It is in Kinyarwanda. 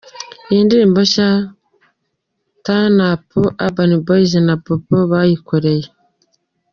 Iyi ndirimbo nshya 'Turn Up' Urban Boys na Babo bayikoreye